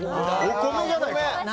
お米じゃないか。